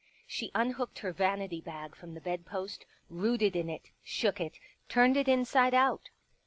She unhooked her vanity bag from the bedpost, rooted in it, shook it, turned it inside out.